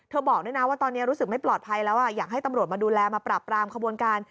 บอกด้วยนะว่าตอนนี้รู้สึกไม่ปลอดภัยแล้วอยากให้ตำรวจมาดูแลมาปรับปรามขบวนการ